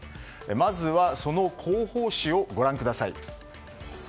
まずはその広報誌をご覧ください。